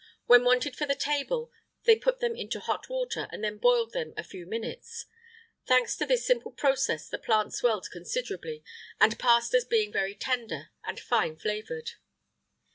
When wanted for the table, they put them into hot water, and then boiled them a few minutes.[IX 53] Thanks to this simple process the plant swelled considerably, and passed as being very tender and fine flavoured.